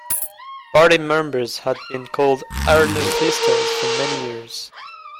Party members had been called "Arnulfistas" for many years.